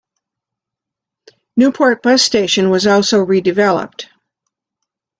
Newport bus station was also redeveloped.